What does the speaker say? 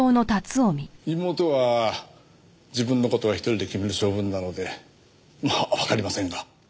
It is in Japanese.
妹は自分の事は１人で決める性分なのでまあわかりませんが。